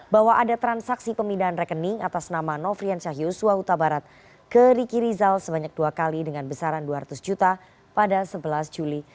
bahwa ada transaksi pemindahan rekening atas nama nofrian syah yusua huta barat ke riki rizal sebanyak dua kali dengan besaran dua ratus juta pada sebelas juli